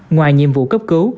ngoài nhiệm vụ cấp cứu